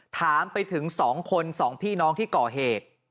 ถามไปถึง๒คน๒พี่น้องที่ก่อเหตุ